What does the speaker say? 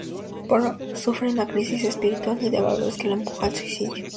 Pero sufre una crisis espiritual y de valores que le empuja al suicidio.